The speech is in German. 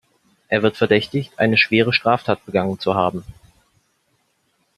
Er wird verdächtigt, eine schwere Straftat begangen zu haben.